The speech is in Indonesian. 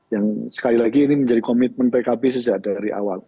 yang sekali lagi ini menjadi komitmen pkb sejak dari awal